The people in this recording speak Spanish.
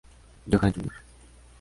Johann Jr.